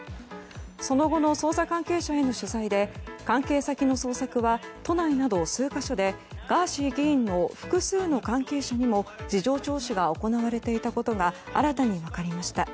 その後の捜査関係者への取材で関係先の捜索は都内など数か所でガーシー議員の複数の関係者にも事情聴取が行われていたことが新たに分かりました。